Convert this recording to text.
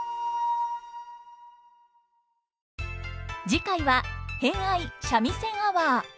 次回は「偏愛三味線アワー」。